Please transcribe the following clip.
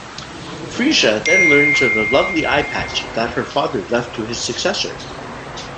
Freesia then learns of the Lovely Eyepatch that her father left to his successor.